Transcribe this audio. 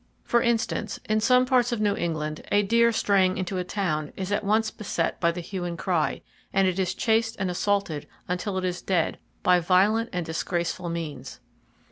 For instance, in some parts of New England a deer straying into a town is at once beset by the hue and cry, and it is chased and assaulted until it is dead, by violent and disgraceful means.